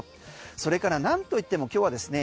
それからなんと言っても今日はですね